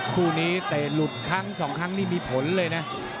คู่นี้เตะหลุดครั้งสองครั้งนี่มีผลเลยนะ